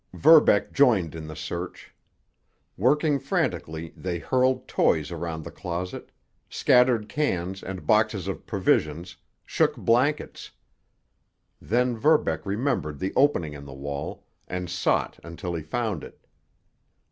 Verbeck joined in the search. Working frantically, they hurled toys around the closet, scattered cans and boxes of provisions, shook blankets. Then Verbeck remembered the opening in the wall, and sought until he found it.